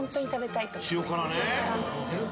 塩辛ね。